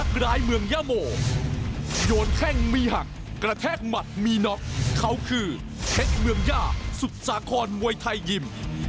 รายเมืองยะโมโยนแข้งมีหักกระแทกหมัดมีน็อกเขาคือเพชรเมืองย่าสุดสาครมวยไทยยิม